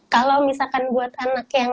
kalau misalkan buat anak yang